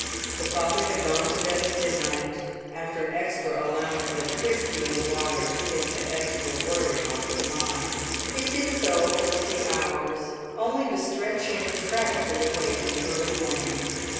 The father had gone to bed at midnight, after an extra allowance of whisky and water to take the extra worry off his mind; it did so for a few hours only to stretch him tragically awake in the early morning.